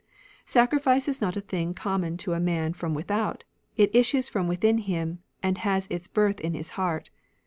"Sacrifice is not a thing commg to a man from without ; it issues from within him, and has its birth in his heart.